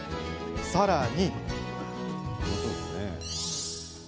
さらに。